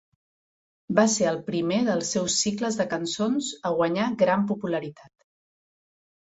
Va ser el primer dels seus cicles de cançons a guanyar gran popularitat.